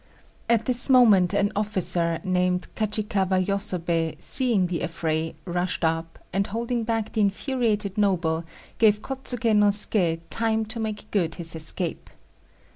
At this moment an officer, named Kajikawa Yosobei, seeing the affray, rushed up, and holding back the infuriated noble, gave Kôtsuké no Suké time to make good his escape.